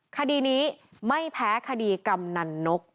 คดีนี้ไม่แพ้คดีกำนันนก